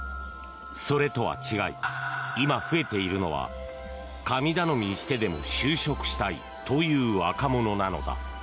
それとは違い、今増えているのは神頼みしてでも就職したいという若者なのだ。